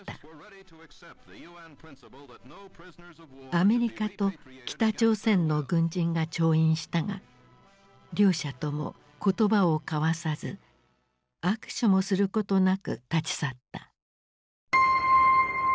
アメリカと北朝鮮の軍人が調印したが両者とも言葉を交わさず握手もすることなく立ち去った。